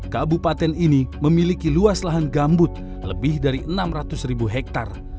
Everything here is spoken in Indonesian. kabupaten ini memiliki luas lahan gambut lebih dari enam ratus ribu hektare